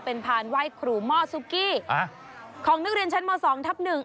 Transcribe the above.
เป็นพานไหว้ครูหม้อซุกี้ของนักเรียนชั้นมสองทับหนึ่ง